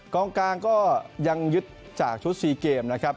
กลางก็ยังยึดจากชุด๔เกมนะครับ